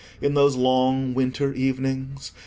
In those long winter evenings?